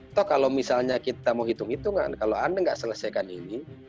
atau kalau misalnya kita mau hitung hitungan kalau anda nggak selesaikan ini